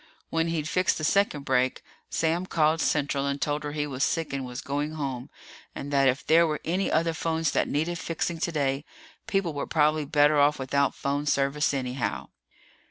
When he'd fixed the second break, Sam called Central and told her he was sick and was going home, and that if there were any other phones that needed fixing today, people were probably better off without phone service, anyhow.